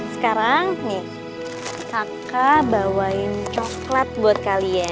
sekarang nih kakak bawain coklat buat kalian